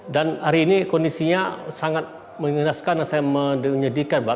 dan hari ini kondisinya sangat menyeskan dan saya menyedihkan pak